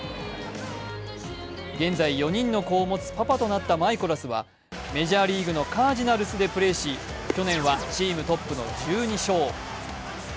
現在４人の子を持つパパとなったマイコラスはメジャーリーグのカージナルスでプレーし去年はチームトップの１２勝。